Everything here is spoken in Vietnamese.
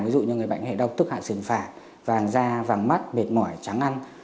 ví dụ như người bệnh hệ đau tức hạ sườn phả vàng da vàng mắt mệt mỏi trắng ăn